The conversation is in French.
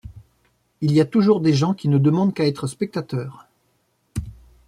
Il y a toujours des gens qui ne demandent qu’à être spectateurs.